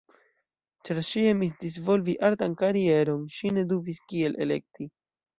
Ĉar ŝi emis disvolvi artan karieron, ŝi ne dubis kiel elekti.